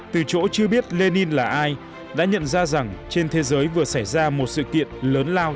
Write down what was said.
từ chỗ chưa biết lenin là ai đã nhận ra rằng trên thế giới vừa xảy ra một sự kiện lớn lao